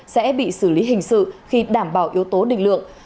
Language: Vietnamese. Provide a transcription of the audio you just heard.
sẽ bị xử lý hình sự khi đảm bảo yếu tố định lượng